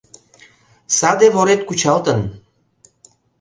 — Саде ворет кучалтын.